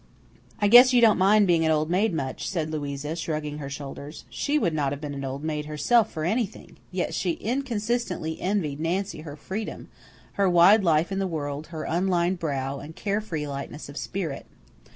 "I guess you don't mind being an old maid much," said Louisa, shrugging her shoulders. She would not have been an old maid herself for anything; yet she inconsistently envied Nancy her freedom, her wide life in the world, her unlined brow, and care free lightness of spirit.